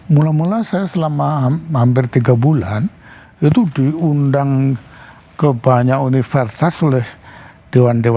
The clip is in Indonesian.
mula mula saya selama hampir tiga bulan itu diundang ke banyak universitas oleh dewan dewan